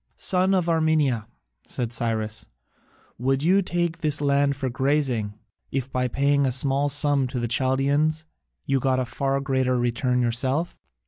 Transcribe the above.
"Son of Armenia," said Cyrus, "would you take this land for grazing, if by paying a small sum to the Chaldaeans you got a far greater return yourself?"